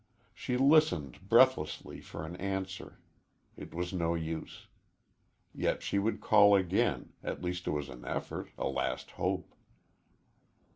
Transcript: She listened breathlessly for an answer. It was no use. Yet she would call again at least it was an effort a last hope.